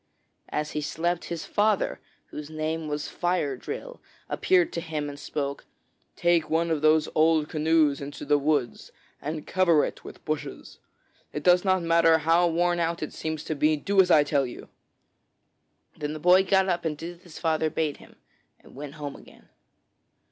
As he slept, his father, whose name was Fire drill, appeared to him and spoke: 'Take one of those old canoes into the woods and cover it with bushes. It does not matter how worn out it seems to be; do as I tell you.' Then the boy got up and did as his father bade him, and went home again.